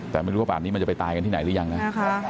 แต่ไม่รู้ว่าป่านนี้มันจะไปตายกันที่ไหนหรือยังนะ